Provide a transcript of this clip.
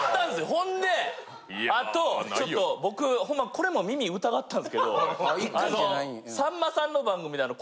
ほんであとちょっと僕ほんまこれも耳疑ったんですけどさんまさんの番組で。